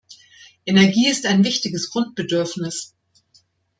Energie ist ein wichtiges Grundbedürfnis.